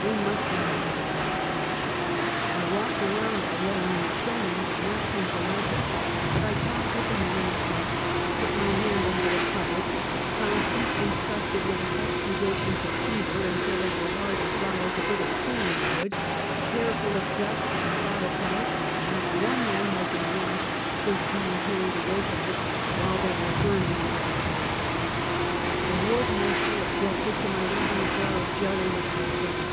They must know about them," I walked around alone, and the show man did not seem to like it, but I talked with the men in the cots, put my hand under the cover, found feet encrusted with the exudations of fever, until they were hard and dr}' as a bit of kindling wood; hair fall of dust from the battle field, and not one man who had been washed since being carried away from it; while there were vermin in every bed. The ward master objected to my leaving a jar of jelly with my friend.